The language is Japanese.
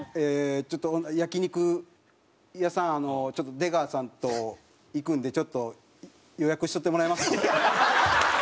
ちょっと焼肉屋さん出川さんと行くんでちょっと予約しとってもらえますか？